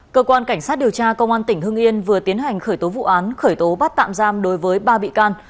cơ quan cảnh sát điều tra công an tỉnh hưng yên vừa tiến hành khởi tố vụ án khởi tố bắt tạm giam đối với ba bị can